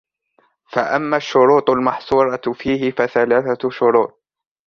فَأَمَّا الشُّرُوطُ الْمَحْصُورَةُ فِيهِ فَثَلَاثَةُ شُرُوطٍ